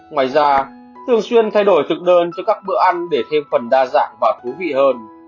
ngoài ra thường xuyên thay đổi thực đơn cho các bữa ăn để thêm phần đa dạng và thú vị hơn